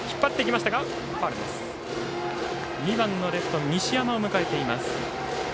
２番のレフト、西山を迎えています。